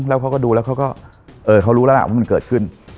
แล้วเขาก็ดูแล้วเขาก็เขารู้แล้วล่ะว่ามันเกิดขึ้น